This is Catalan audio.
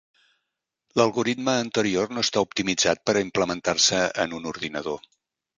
L'algoritme anterior no està optimitzat per a implementar-se en un ordinador.